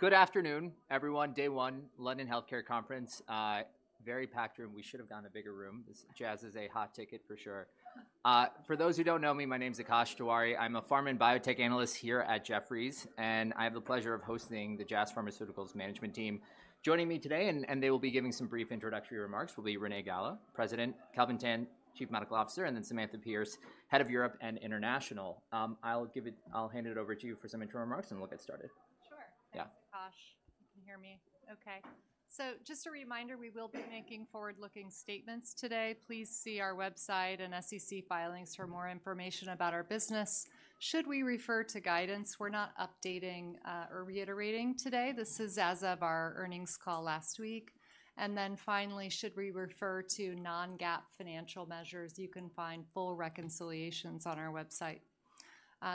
Good afternoon, everyone. Day one, London Healthcare Conference. Very packed room. We should have gotten a bigger room. This, Jazz is a hot ticket for sure. For those who don't know me, my name's Akash Tewari. I'm a pharma and biotech analyst here at Jefferies, and I have the pleasure of hosting the Jazz Pharmaceuticals management team. Joining me today, and they will be giving some brief introductory remarks, will be Renee Gala, President, Kelvin Tan, Chief Medical Officer, and then Samantha Pearce, Head of Europe and International. I'll give it—I'll hand it over to you for some intro remarks, and we'll get started. Sure. Yeah. Thanks, Akash. Can you hear me? Okay. So just a reminder, we will be making forward-looking statements today. Please see our website and SEC filings for more information about our business. Should we refer to guidance, we're not updating or reiterating today. This is as of our earnings call last week. And then finally, should we refer to non-GAAP financial measures, you can find full reconciliations on our website.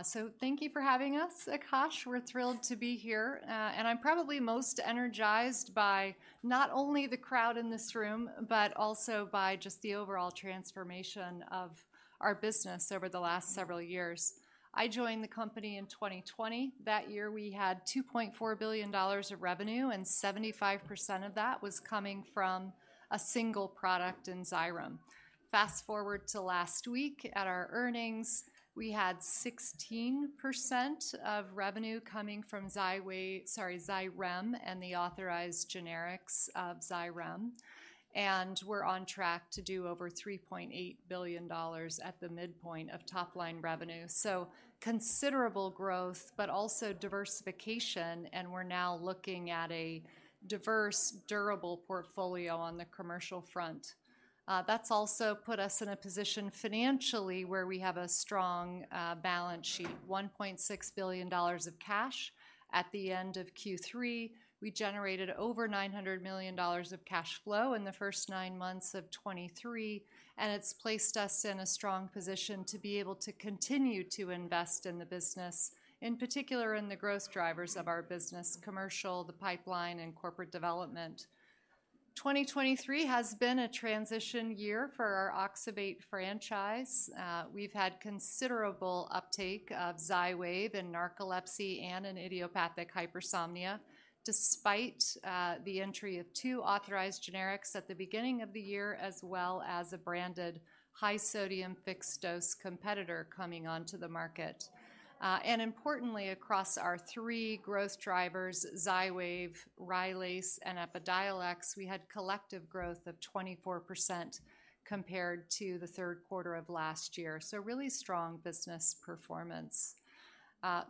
So thank you for having us, Akash. We're thrilled to be here. And I'm probably most energized by not only the crowd in this room but also by just the overall transformation of our business over the last several years. I joined the company in 2020. That year, we had $2.4 billion of revenue, and 75% of that was coming from a single product in Xyrem. Fast forward to last week, at our earnings, we had 16% of revenue coming from Xywav, sorry, Xyrem, and the authorized generics of Xyrem, and we're on track to do over $3.8 billion at the midpoint of top-line revenue. So considerable growth, but also diversification, and we're now looking at a diverse, durable portfolio on the commercial front. That's also put us in a position financially where we have a strong balance sheet, $1.6 billion of cash at the end of Q3. We generated over $900 million of cash flow in the first nine months of 2023, and it's placed us in a strong position to be able to continue to invest in the business, in particular in the growth drivers of our business: commercial, the pipeline, and corporate development. 2023 has been a transition year for our oxybate franchise. We've had considerable uptake of Xywav in narcolepsy and in idiopathic hypersomnia, despite the entry of two authorized generics at the beginning of the year, as well as a branded high-sodium, fixed-dose competitor coming onto the market. And importantly, across our three growth drivers, Xywav, Rylaze, and Epidiolex, we had collective growth of 24% compared to the third quarter of last year, so really strong business performance.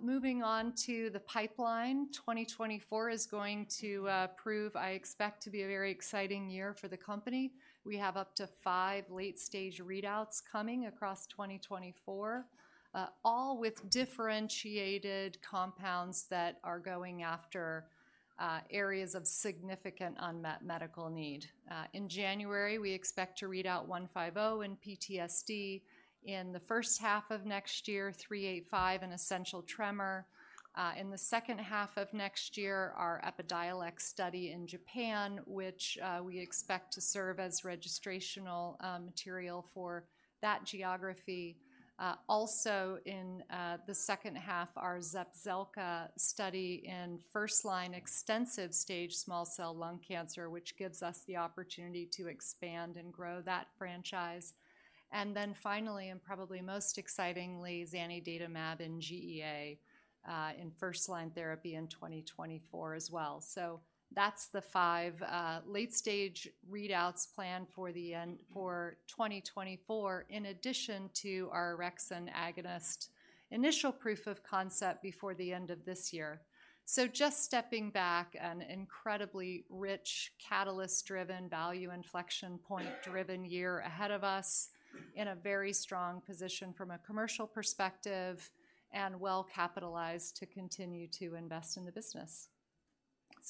Moving on to the pipeline, 2024 is going to prove, I expect, to be a very exciting year for the company. We have up to five late-stage readouts coming across 2024, all with differentiated compounds that are going after areas of significant unmet medical need. In January, we expect to read out 150 in PTSD. In the first half of next year, JZP385 in essential tremor. In the second half of next year, our Epidiolex study in Japan, which we expect to serve as registrational material for that geography. Also in the second half, our Zepzelca study in first-line extensive stage small cell lung cancer, which gives us the opportunity to expand and grow that franchise. And then finally, and probably most excitingly, zanidatamab in GEA, in first-line therapy in 2024 as well. So that's the five late-stage readouts planned for 2024, in addition to our orexin agonist initial proof of concept before the end of this year. So just stepping back, an incredibly rich, catalyst-driven, value inflection point-driven year ahead of us, in a very strong position from a commercial perspective, and well-capitalized to continue to invest in the business.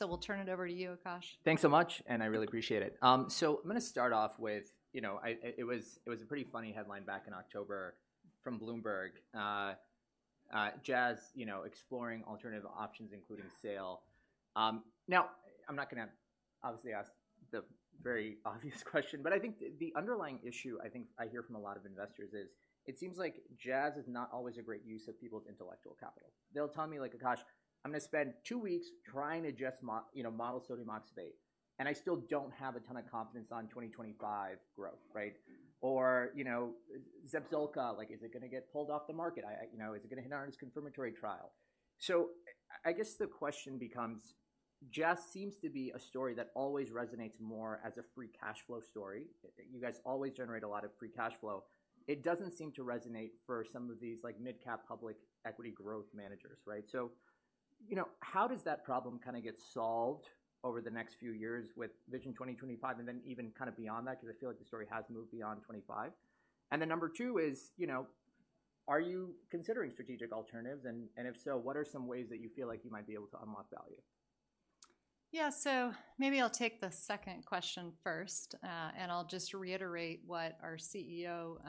We'll turn it over to you, Akash. Thanks so much, and I really appreciate it. So I'm gonna start off with, you know, it was a pretty funny headline back in October from Bloomberg, "Jazz Exploring Alternative Options, Including Sale." Now, I'm not gonna obviously ask the very obvious question, but I think the underlying issue I think I hear from a lot of investors is, it seems like Jazz is not always a great use of people's intellectual capital. They'll tell me, like, "Akash, I'm gonna spend two weeks trying to just model sodium oxybate, and I still don't have a ton of confidence on 2025 growth," right? Or, you know, Zepzelca, like, is it gonna get pulled off the market? You know, is it gonna hit on its confirmatory trial? So I guess the question becomes: Jazz seems to be a story that always resonates more as a free cash flow story. You guys always generate a lot of free cash flow. It doesn't seem to resonate for some of these, like, mid-cap public equity growth managers, right? So, you know, how does that problem kinda get solved over the next few years with Vision 2025 and then even kind of beyond that? 'Cause I feel like the story has moved beyond 2025. And then number two is, you know, are you considering strategic alternatives, and, and if so, what are some ways that you feel like you might be able to unlock value? Yeah, so maybe I'll take the second question first, and I'll just reiterate what our CEO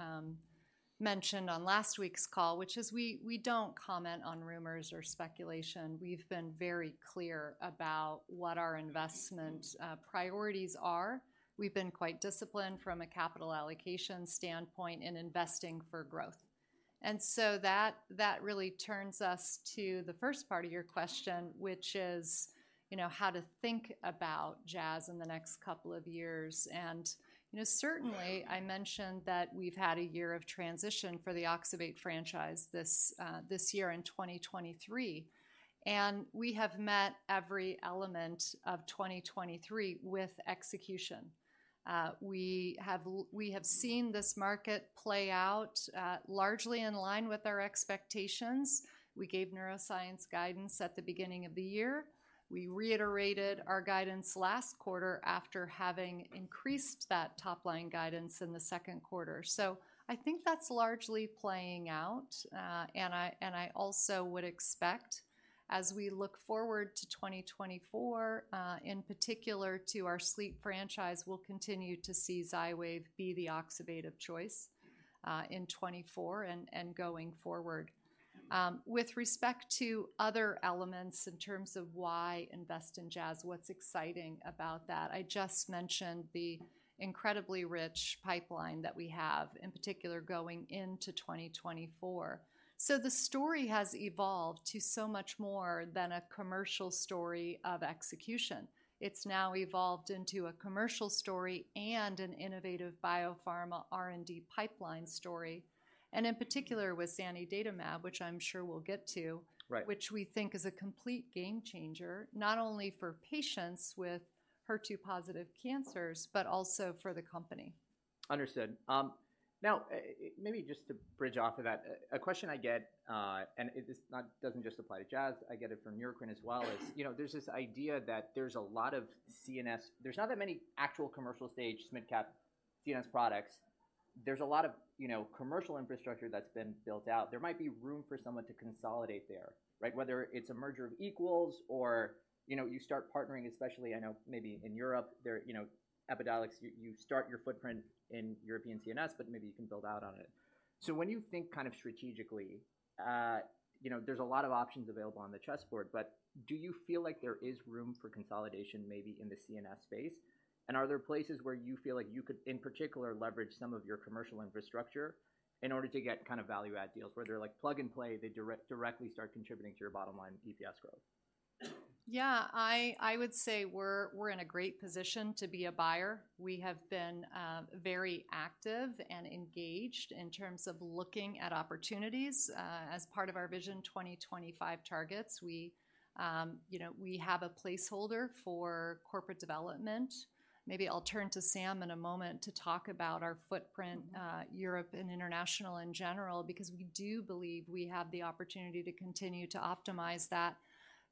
mentioned on last week's call, which is we don't comment on rumors or speculation. We've been very clear about what our investment priorities are. We've been quite disciplined from a capital allocation standpoint in investing for growth. And so that really turns us to the first part of your question, which is, you know, how to think about Jazz in the next couple of years. And, you know, certainly, I mentioned that we've had a year of transition for the oxybate franchise this year in 2023, and we have met every element of 2023 with execution. We have seen this market play out largely in line with our expectations. We gave neuroscience guidance at the beginning of the year. We reiterated our guidance last quarter after having increased that top-line guidance in the second quarter. So I think that's largely playing out. And I also would expect, as we look forward to 2024, in particular to our sleep franchise, we'll continue to see Xywav be the oxybate of choice, in 2024 and going forward. With respect to other elements in terms of why invest in Jazz, what's exciting about that? I just mentioned the incredibly rich pipeline that we have, in particular, going into 2024. So the story has evolved to so much more than a commercial story of execution. It's now evolved into a commercial story and an innovative biopharma R&D pipeline story, and in particular with zanidatamab, which I'm sure we'll get to. Right. - which we think is a complete game changer, not only for patients with HER2-positive cancers, but also for the company. Understood. Now, maybe just to bridge off of that, a question I get, and it doesn't just apply to Jazz, I get it from Neurocrine as well, is, you know, there's this idea that there's a lot of CNS... There's not that many actual commercial stage mid-cap CNS products. There's a lot of, you know, commercial infrastructure that's been built out. There might be room for someone to consolidate there, right? Whether it's a merger of equals or, you know, you start partnering, especially, I know maybe in Europe, there, you know, Epidiolex, you start your footprint in European CNS, but maybe you can build out on it. So when you think kind of strategically, you know, there's a lot of options available on the chessboard, but do you feel like there is room for consolidation maybe in the CNS space? Are there places where you feel like you could, in particular, leverage some of your commercial infrastructure in order to get kind of value-add deals, where they're like plug and play, they directly start contributing to your bottom line EPS growth? Yeah, I would say we're in a great position to be a buyer. We have been very active and engaged in terms of looking at opportunities. As part of our Vision 2025 targets, you know, we have a placeholder for corporate development. Maybe I'll turn to Sam in a moment to talk about our footprint, Europe and international in general, because we do believe we have the opportunity to continue to optimize that.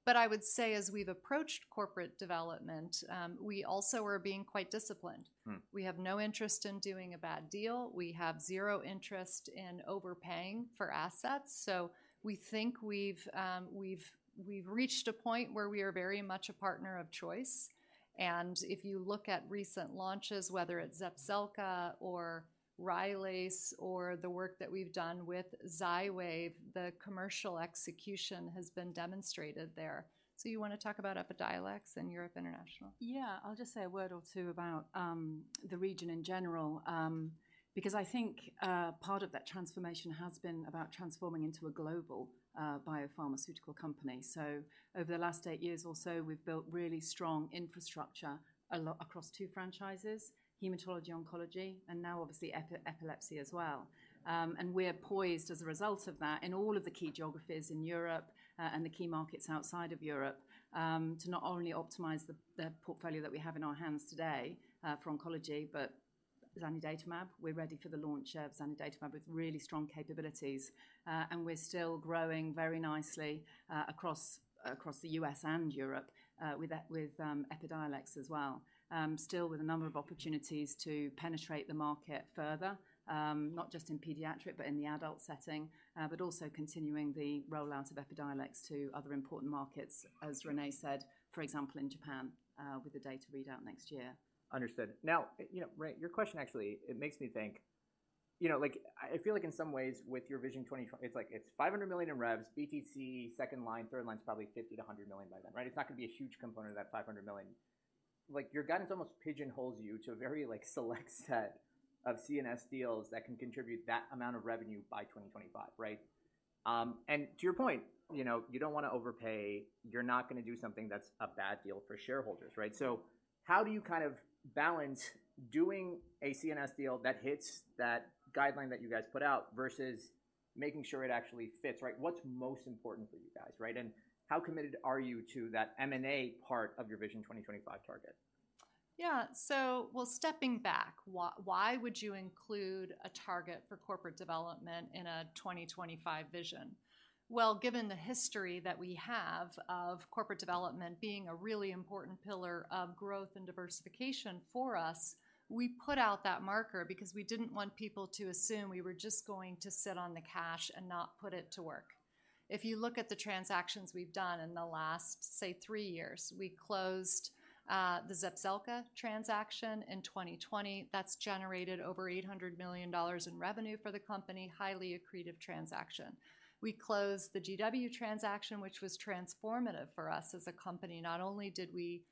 But I would say as we've approached corporate development, we also are being quite disciplined. Hmm. We have no interest in doing a bad deal. We have zero interest in overpaying for assets. So we think we've reached a point where we are very much a partner of choice, and if you look at recent launches, whether it's Zepzelca or Rylaze or the work that we've done with Xywav, the commercial execution has been demonstrated there. So you want to talk about Epidiolex in Europe International? Yeah. I'll just say a word or two about the region in general, because I think part of that transformation has been about transforming into a global biopharmaceutical company. So over the last eight years or so, we've built really strong infrastructure, a lot across two franchises: Hematology, Oncology, and now obviously Epilepsy as well. And we're poised, as a result of that, in all of the key geographies in Europe and the key markets outside of Europe to not only optimize the portfolio that we have in our hands today for oncology, but zanidatamab. We're ready for the launch of zanidatamab with really strong capabilities. And we're still growing very nicely across the US and Europe with Epidiolex as well. Still with a number of opportunities to penetrate the market further, not just in pediatric, but in the adult setting, but also continuing the rollout of Epidiolex to other important markets, as Renee said, for example, in Japan, with the data readout next year. Understood. Now, you know, Renee, your question actually, it makes me think, you know, like I, I feel like in some ways with your vision twenty... It's like it's $500 million in revs, BTC, second line, third line is probably $50-$100 million by then, right? It's not gonna be a huge component of that $500 million. Like, your guidance almost pigeonholes you to a very, like, select set of CNS deals that can contribute that amount of revenue by 2025, right? And to your point, you know, you don't wanna overpay. You're not gonna do something that's a bad deal for shareholders, right? So how do you kind of balance doing a CNS deal that hits that guideline that you guys put out versus making sure it actually fits, right? What's most important for you guys, right? How committed are you to that M&A part of your Vision 2025 target? Yeah. So, well, stepping back, why, why would you include a target for corporate development in a 2025 vision? Well, given the history that we have of corporate development being a really important pillar of growth and diversification for us, we put out that marker because we didn't want people to assume we were just going to sit on the cash and not put it to work. If you look at the transactions we've done in the last, say, three years, we closed the Zepzelca transaction in 2020, that's generated over $800 million in revenue for the company, highly accretive transaction. We closed the GW transaction, which was transformative for us as a company. Not only did we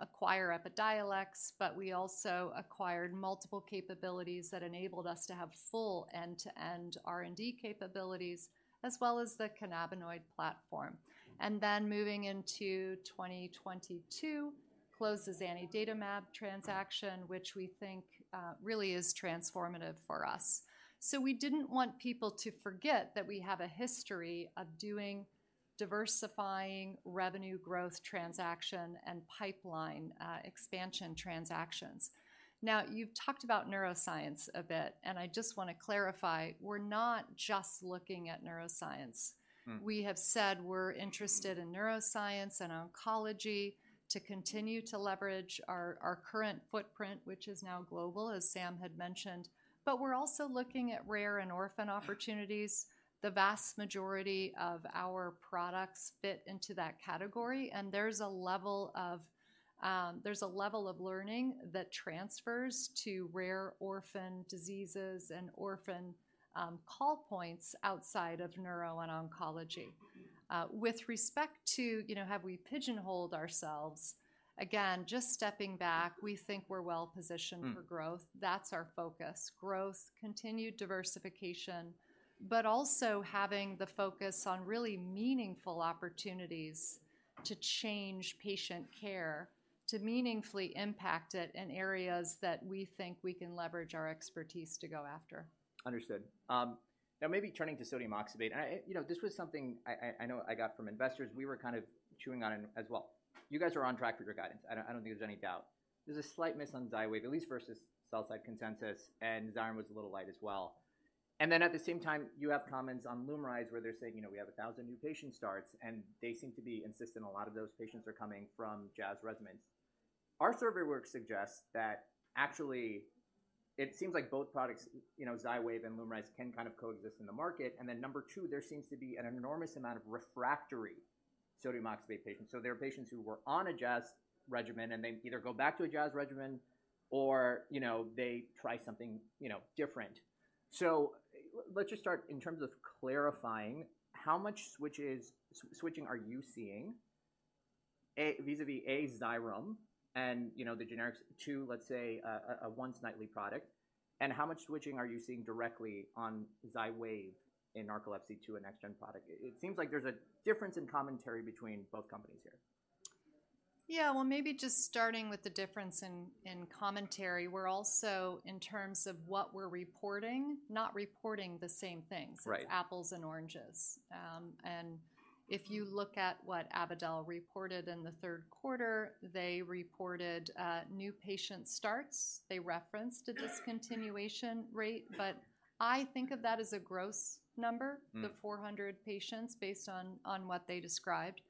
acquire Epidiolex, but we also acquired multiple capabilities that enabled us to have full end-to-end R&D capabilities, as well as the cannabinoid platform. Then moving into 2022, closed the zanidatamab transaction, which we think really is transformative for us. We didn't want people to forget that we have a history of doing diversifying revenue growth, transaction, and pipeline expansion transactions. Now, you've talked about neuroscience a bit, and I just want to clarify, we're not just looking at neuroscience. Hmm. We have said we're interested in neuroscience and oncology to continue to leverage our current footprint, which is now global, as Sam had mentioned, but we're also looking at rare and orphan opportunities. The vast majority of our products fit into that category, and there's a level of learning that transfers to rare orphan diseases and orphan call points outside of neuro and oncology. With respect to, you know, have we pigeonholed ourselves? Again, just stepping back, we think we're well positioned- Hmm... for growth. That's our focus: growth, continued diversification, but also having the focus on really meaningful opportunities to change patient care, to meaningfully impact it in areas that we think we can leverage our expertise to go after. Understood. Now maybe turning to sodium oxybate, and I, you know, this was something I know I got from investors. We were kind of chewing on it as well. You guys are on track with your guidance. I don't think there's any doubt. There's a slight miss on Xywav, at least versus sell-side consensus, and Xyrem was a little light as well. And then at the same time, you have comments on Lumryz where they're saying: "You know, we have 1,000 new patient starts," and they seem to be insistent a lot of those patients are coming from Jazz regimens. Our survey work suggests that actually it seems like both products, you know, Xywav and Lumryz, can kind of coexist in the market. And then number two, there seems to be an enormous amount of refractory sodium oxybate patients. So there are patients who were on a Jazz regimen, and they either go back to a Jazz regimen or, you know, they try something, you know, different. So let's just start in terms of clarifying, how much switching are you seeing vis-à-vis Xyrem and, you know, the generics to, let's say, a once-nightly product? And how much switching are you seeing directly on Xywav in narcolepsy to a next-gen product? It seems like there's a difference in commentary between both companies here. Yeah, well, maybe just starting with the difference in commentary. We're also, in terms of what we're reporting, not reporting the same things. Right. Apples and oranges. And if you look at what AbbVie reported in the third quarter, they reported new patient starts. They referenced a discontinuation rate, but I think of that as a gross number- Hmm... the 400 patients based on what they described.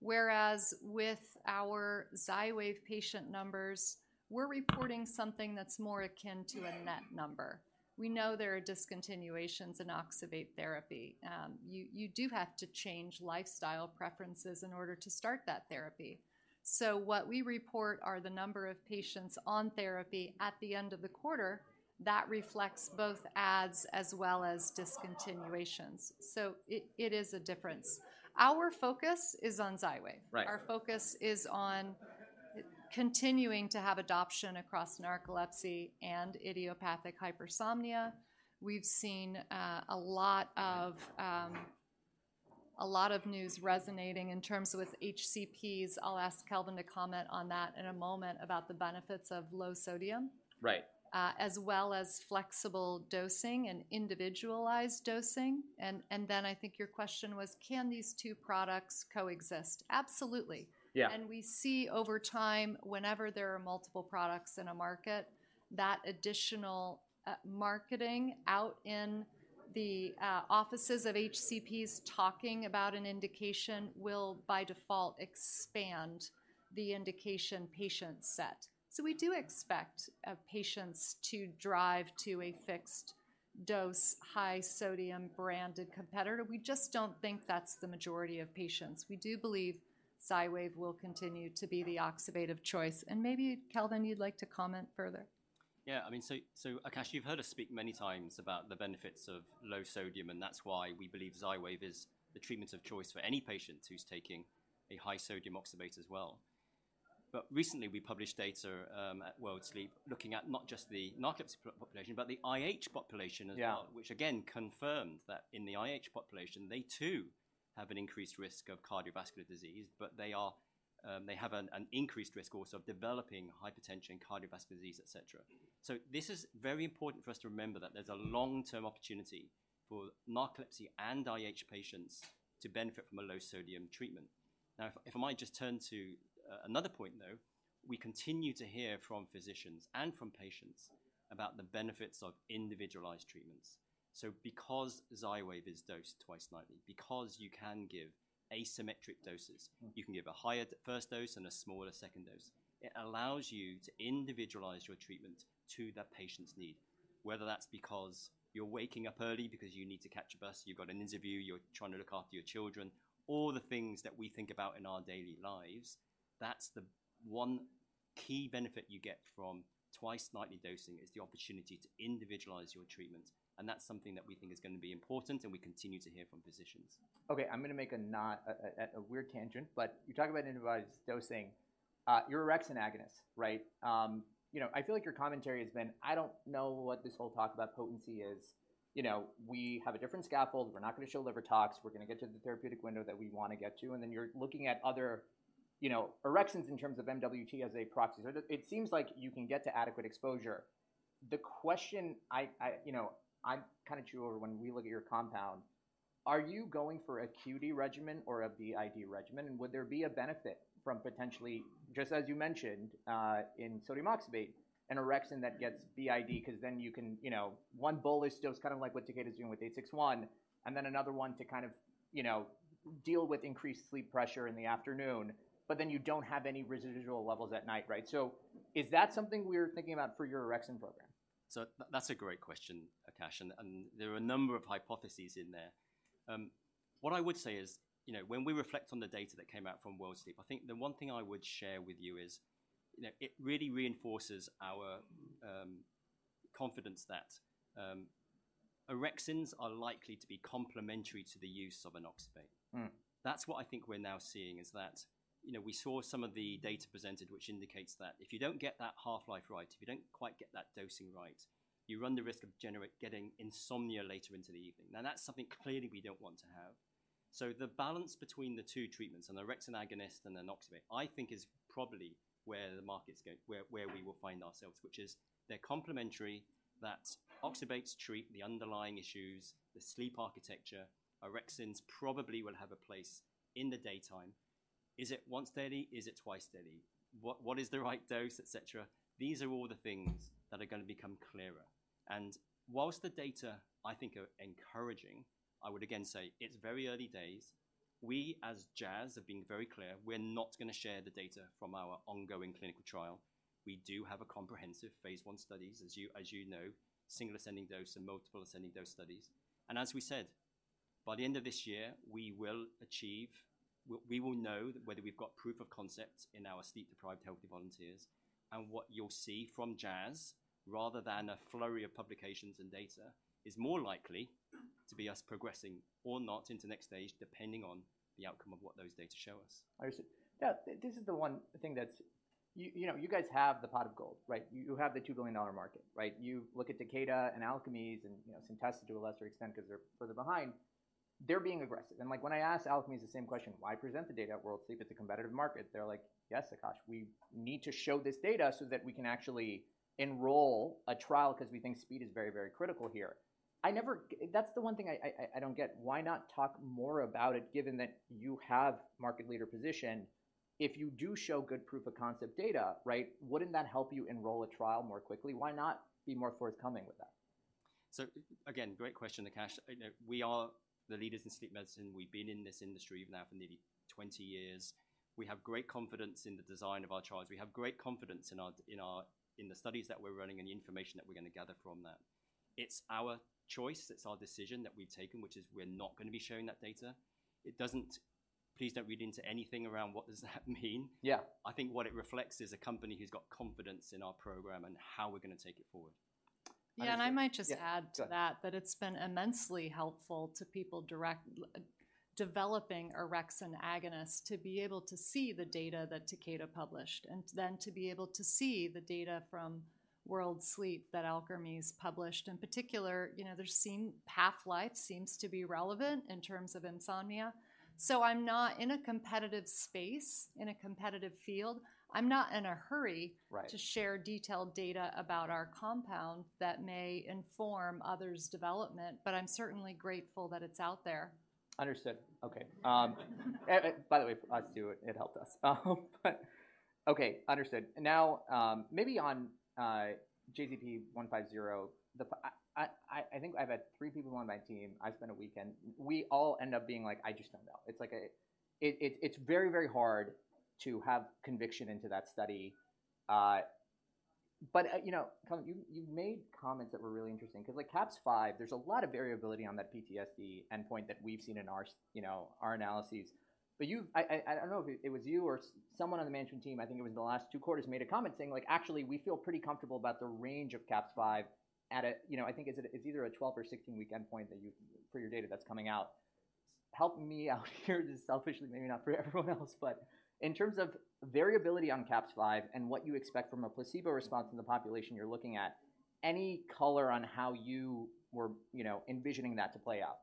Whereas with our Xywav patient numbers, we're reporting something that's more akin to a net number. We know there are discontinuations in oxybate therapy. You do have to change lifestyle preferences in order to start that therapy. So what we report are the number of patients on therapy at the end of the quarter. That reflects both adds as well as discontinuations. So it is a difference. Our focus is on Xywav. Right. Our focus is on continuing to have adoption across narcolepsy and idiopathic hypersomnia. We've seen a lot of news resonating in terms with HCPs. I'll ask Kelvin to comment on that in a moment about the benefits of low sodium- Right ... as well as flexible dosing and individualized dosing. And then I think your question was, can these two products coexist? Absolutely. Yeah. And we see over time, whenever there are multiple products in a market, that additional, marketing out in the, offices of HCPs talking about an indication will, by default, expand the indication patient set. So we do expect, patients to drive to a fixed-dose, high-sodium branded competitor. We just don't think that's the majority of patients. We do believe Xywav will continue to be the oxybate of choice. And maybe, Kelvin, you'd like to comment further? Yeah, I mean, so, so Akash, you've heard us speak many times about the benefits of low sodium, and that's why we believe Xywav is the treatment of choice for any patient who's taking a high-sodium oxybate as well. But recently, we published data at World Sleep, looking at not just the narcolepsy population, but the IH population as well. Yeah. Which again, confirmed that in the IH population, they too have an increased risk of cardiovascular disease, but they are. They have an increased risk also of developing hypertension, cardiovascular disease, et cetera. So this is very important for us to remember that there's a long-term opportunity for narcolepsy and IH patients to benefit from a low-sodium treatment. Now, if I might just turn to another point, though. We continue to hear from physicians and from patients about the benefits of individualized treatments. So because Xywav is dosed twice nightly, because you can give asymmetric doses- Hmm... you can give a higher first dose and a smaller second dose. It allows you to individualize your treatment to that patient's need, whether that's because you're waking up early because you need to catch a bus, you've got an interview, you're trying to look after your children, all the things that we think about in our daily lives, that's the key benefit you get from twice nightly dosing is the opportunity to individualize your treatment, and that's something that we think is gonna be important, and we continue to hear from physicians. Okay, I'm gonna make a note, a weird tangent, but you're talking about individualized dosing. Your orexin agonist, right? You know, I feel like your commentary has been, "I don't know what this whole talk about potency is." You know, we have a different scaffold. We're not gonna show liver tox. We're gonna get to the therapeutic window that we wanna get to, and then you're looking at other, you know, orexins in terms of MWT as a proxy. So it seems like you can get to adequate exposure. The question, you know, I kind of chew over when we look at your compound, are you going for a QD regimen or a BID regimen? And would there be a benefit from potentially, just as you mentioned, in sodium oxybate, an orexin that gets BID? 'Cause then you can, you know, one bullish dose, kind of like what Takeda is doing with 861, and then another one to kind of, you know, deal with increased sleep pressure in the afternoon. But then you don't have any residual levels at night, right? So is that something we're thinking about for your orexin program? So that's a great question, Akash, and there are a number of hypotheses in there. What I would say is, you know, when we reflect on the data that came out from World Sleep, I think the one thing I would share with you is, you know, it really reinforces our confidence that orexins are likely to be complementary to the use of an oxybate. Mm. That's what I think we're now seeing, is that, you know, we saw some of the data presented, which indicates that if you don't get that half-life right, if you don't quite get that dosing right, you run the risk of getting insomnia later into the evening. Now, that's something clearly we don't want to have. So the balance between the two treatments, an orexin agonist and an oxybate, I think is probably where the market's going, where we will find ourselves, which is they're complementary, that oxybates treat the underlying issues, the sleep architecture. Orexins probably will have a place in the daytime. Is it once daily? Is it twice daily? What is the right dose, et cetera? These are all the things that are gonna become clearer. And whilst the data, I think, are encouraging, I would again say it's very early days. We, as Jazz, have been very clear, we're not gonna share the data from our ongoing clinical trial. We do have a comprehensive phase I studies, as you, as you know, single-ascending dose and multiple-ascending dose studies. As we said, by the end of this year, we will achieve—we, we will know whether we've got proof of concept in our sleep-deprived healthy volunteers. What you'll see from Jazz, rather than a flurry of publications and data, is more likely to be us progressing or not into the next stage, depending on the outcome of what those data show us. I understand. Yeah, this is the one thing that's... You know, you guys have the pot of gold, right? You have the $2 billion market, right? You look at Takeda and Alkermes and, you know, Centessa to a lesser extent, 'cause they're further behind. They're being aggressive. And like, when I asked Alkermes the same question, "Why present the data at World Sleep if it's a competitive market?" They're like: Yes, Akash, we need to show this data so that we can actually enroll a trial because we think speed is very, very critical here. That's the one thing I don't get. Why not talk more about it, given that you have market leader position? If you do show good proof of concept data, right, wouldn't that help you enroll a trial more quickly? Why not be more forthcoming with that? So again, great question, Akash. You know, we are the leaders in sleep medicine. We've been in this industry now for nearly 20 years. We have great confidence in the design of our trials. We have great confidence in the studies that we're running and the information that we're gonna gather from that. It's our choice, it's our decision that we've taken, which is we're not gonna be sharing that data. It doesn't... Please don't read into anything around what does that mean. Yeah. I think what it reflects is a company who's got confidence in our program and how we're gonna take it forward. Yeah, and I might just add- Yeah, go ahead.... to that, that it's been immensely helpful to people directly developing orexin agonist, to be able to see the data that Takeda published, and then to be able to see the data from World Sleep that Alkermes published. In particular, you know, half-life seems to be relevant in terms of insomnia. So I'm not in a competitive space, in a competitive field. I'm not in a hurry- Right... to share detailed data about our compound that may inform others' development, but I'm certainly grateful that it's out there. Understood. Okay. By the way, us too, it helped us. But okay, understood. Now, maybe on JZP150, I think I've had three people on my team. I've spent a weekend. We all end up being like: I just don't know. It's like a... It's very, very hard to have conviction into that study. But, you know, Kelvin, you made comments that were really interesting, because like CAPS-5, there's a lot of variability on that PTSD endpoint that we've seen in our, you know, our analyses. But you've—I don't know if it was you or someone on the management team. I think it was in the last two quarters, made a comment saying like: "Actually, we feel pretty comfortable about the range of CAPS-5 at a..." You know, I think it's at, it's either a 12 or 16-week endpoint that you, for your data that's coming out. Help me out here, just selfishly, maybe not for everyone else. But in terms of variability on CAPS-5 and what you expect from a placebo response in the population you're looking at, any color on how you were, you know, envisioning that to play out?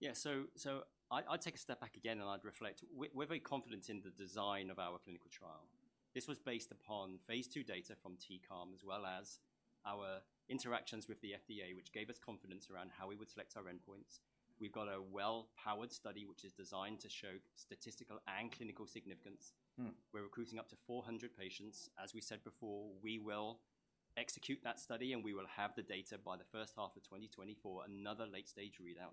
Yeah, so I, I'd take a step back again and I'd reflect. We're very confident in the design of our clinical trial. This was based upon phase II data from TCOM, as well as our interactions with the FDA, which gave us confidence around how we would select our endpoints. We've got a well-powered study, which is designed to show statistical and clinical significance. Mm. We're recruiting up to 400 patients. As we said before, we will execute that study, and we will have the data by the H1 of 2024, another late-stage readout.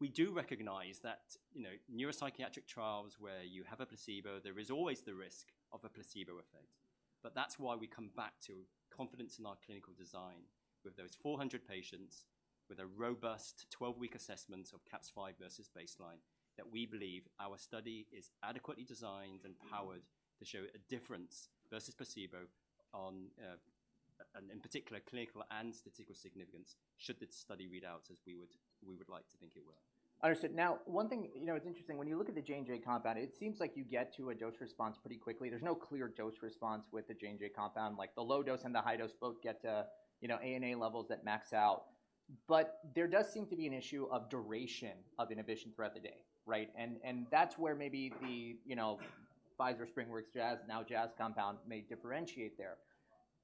We do recognize that, you know, neuropsychiatric trials where you have a placebo, there is always the risk of a placebo effect... but that's why we come back to confidence in our clinical design with those 400 patients, with a robust 12-week assessment of CAPS-5 versus baseline, that we believe our study is adequately designed and powered to show a difference versus placebo on, and in particular, clinical and statistical significance, should the study read out as we would, we would like to think it will. Understood. Now, one thing, you know, it's interesting, when you look at the J&J compound, it seems like you get to a dose response pretty quickly. There's no clear dose response with the J&J compound. Like, the low dose and the high dose both get to, you know, AEA levels that max out. But there does seem to be an issue of duration of inhibition throughout the day, right? And that's where maybe the, you know, Pfizer, SpringWorks, Jazz, now Jazz compound may differentiate there.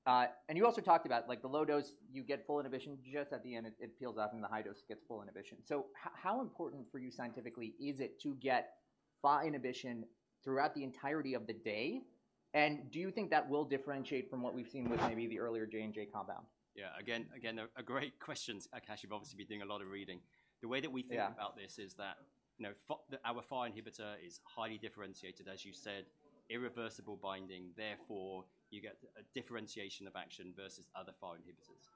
And you also talked about, like, the low dose, you get full inhibition just at the end, it peels off, and the high dose gets full inhibition. So how important for you scientifically is it to get FAAH inhibition throughout the entirety of the day? And do you think that will differentiate from what we've seen with maybe the earlier J&J compound? Yeah, again, a great question, Akash. You've obviously been doing a lot of reading. Yeah. The way that we think about this is that, you know, our FAAH inhibitor is highly differentiated, as you said, irreversible binding, therefore, you get a differentiation of action versus other FAAH inhibitors.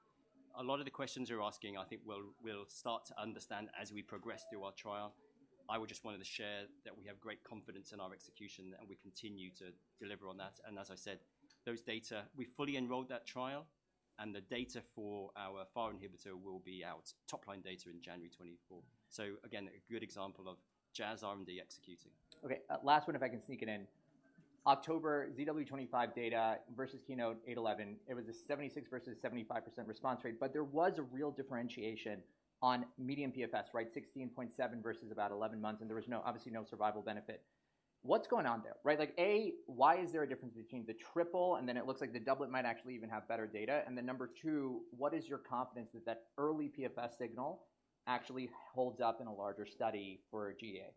A lot of the questions you're asking, I think we'll start to understand as we progress through our trial. I would just wanted to share that we have great confidence in our execution, and we continue to deliver on that. And as I said, those data, we fully enrolled that trial, and the data for our FAAH inhibitor will be out, top-line data in January 2024. So again, a good example of Jazz R&D executing. Okay, last one, if I can sneak it in. October, ZW25 data versus KEYNOTE-811, it was a 76% versus 75% response rate, but there was a real differentiation on median PFS, right? 16.7 versus about 11 months, and there was no, obviously no survival benefit. What's going on there, right? Like, A, why is there a difference between the triple, and then it looks like the doublet might actually even have better data. And then number two, what is your confidence that that early PFS signal actually holds up in a larger study for GEA?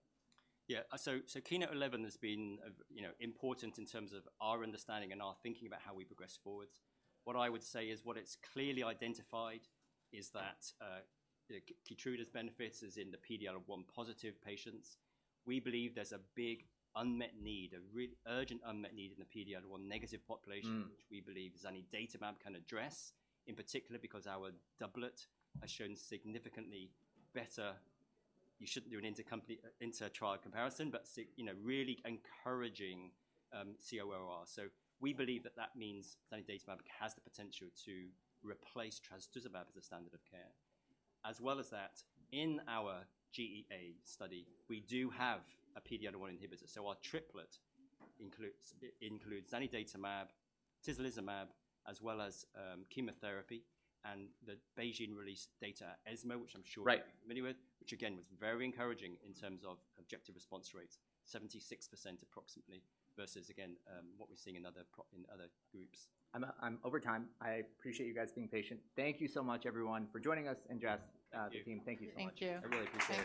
Yeah. So, so KEYNOTE-811 has been of, you know, important in terms of our understanding and our thinking about how we progress forwards. What I would say is, what it's clearly identified is that, the Keytruda's benefits is in the PD-L1 positive patients. We believe there's a big unmet need, a urgent unmet need in the PD-L1 negative population- Mm. -which we believe is any databank can address, in particular, because our doublet has shown significantly better... You shouldn't do an intercompany inter-trial comparison, but you know, really encouraging, ORR. So we believe that that means zanidatamab has the potential to replace trastuzumab as a standard of care. As well as that, in our GEA study, we do have a PD-L1 inhibitor, so our triplet includes zanidatamab, tislelizumab, as well as, chemotherapy. And the BeiGene released data, ESMO, which I'm sure- Right... you're familiar with, which again, was very encouraging in terms of objective response rates, 76% approximately, versus, again, what we're seeing in other groups. I'm over time. I appreciate you guys being patient. Thank you so much, everyone, for joining us and Jazz, the team. Thank you. Thank you so much. Thank you. I really appreciate it.